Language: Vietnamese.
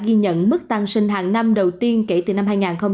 ghi nhận mức tăng sinh hàng năm đầu tiên kể từ năm hai nghìn một mươi tám